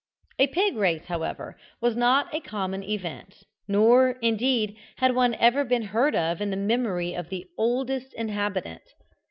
A pig race, however, was not a common event, nor, indeed, had one ever been heard of in the memory of the oldest inhabitant.